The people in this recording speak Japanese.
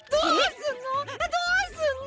どうすんの？